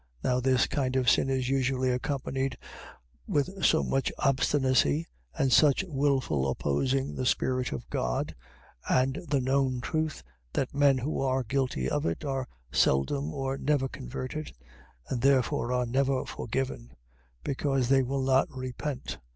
Now this kind of sin is usually accompanied with so much obstinacy, and such wilful opposing the Spirit of God, and the known truth, that men who are guilty of it, are seldom or never converted: and therefore are never forgiven, because they will not repent.